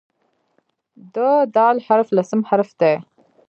د "د" حرف لسم حرف دی.